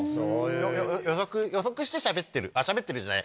予測してしゃべってるあっしゃべってるじゃない。